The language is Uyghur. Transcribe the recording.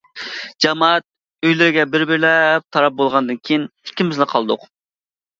جامائەت ئۆيلىرىگە بىر-بىرلەپ تاراپ بولغاندىن كېيىن ئىككىمىزلا قالدۇق.